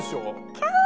キャー！